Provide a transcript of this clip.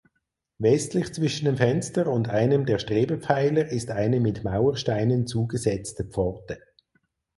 Westlich zwischen dem Fenster und einem der Strebepfeiler ist eine mit Mauersteinen zugesetzte Pforte.